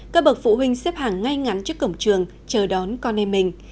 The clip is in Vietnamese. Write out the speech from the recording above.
các bậc phụ huynh xếp hàng ngay ngắn trước cổng trường chờ đón con em mình